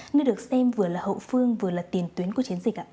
nơi được xem vừa là hậu phương vừa là tiền tuyến của chiến dịch ạ